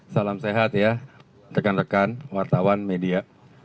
salam sehat ya rekan rekan wartawan media